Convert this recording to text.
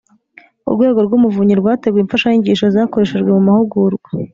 Urwego rw Umuvunyi rwateguye imfashanyigisho zakoreshejwe mu mahugurwa